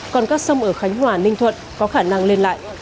còn các sông ở khánh hòa ninh thuận có khả năng lên lại